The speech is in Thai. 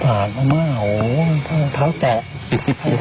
อ่านมาโอ้โหเพราะเท้าแกะแข็งแกะมาก